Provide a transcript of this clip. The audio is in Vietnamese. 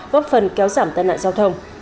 góp phần kéo giảm tai nạn giao thông